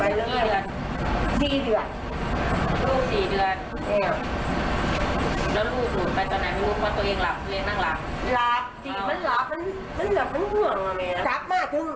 หลับดีมันหลับมันห่วง